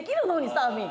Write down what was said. サーフィン。